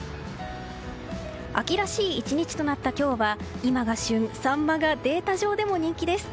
秋らしい１日となった今日は今が旬サンマがデータ上でも人気です。